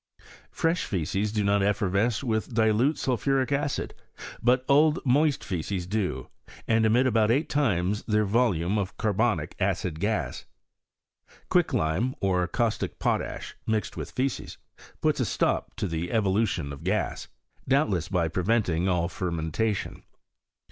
Freih fteces do not effervesce with dilute sulphuric acid, but old moist fs^ces do, and emit about eig^t times their volume of carbonic acid gas. Quicklime^ or caustic potash, mixed with fsces, puts a stop to the evolution of gas, doubtless by preventing all fermentation.